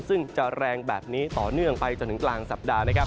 ซึ่งจะแรงแบบนี้ต่อเนื่องไปจนถึงกลางสัปดาห์นะครับ